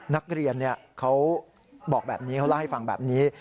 นักเรียนเขาบอกแบบนี้เขาเล่าให้ฟังแบบนี้